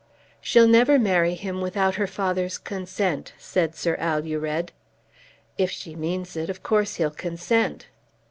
"She'll never marry him without her father's consent," said Sir Alured. "If she means it, of course he'll consent."